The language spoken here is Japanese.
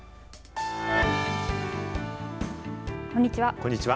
こんにちは。